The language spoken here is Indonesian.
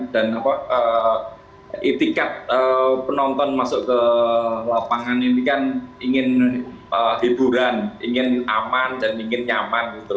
dan etikat penonton masuk ke lapangan ini kan ingin hiburan ingin aman dan ingin nyaman